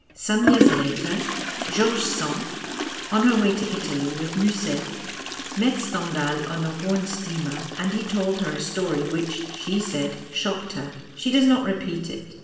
Some years later George Sand, on her way to Italy witli Musset, met Stendhal on a Rhone steamer, and he told her a story which, she said, shocked her. She docs not repeat it.